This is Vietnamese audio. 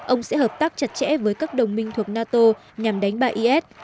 ông sẽ hợp tác chặt chẽ với các đồng minh thuộc nato nhằm đánh bại is